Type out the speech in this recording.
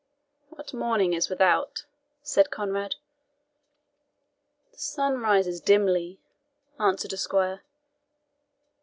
"What morning is without?" said Conrade. "The sun rises dimly," answered a squire.